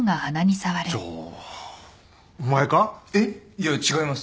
いや違います。